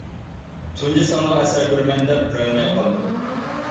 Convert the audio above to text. تۇنجى سانغا ئەسەر بېرىمەن دەپ بېرەلمەي قالدىم.